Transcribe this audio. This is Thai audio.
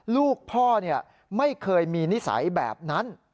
ลูกพ่อไม่เคยมีนิสัยแบบนั้น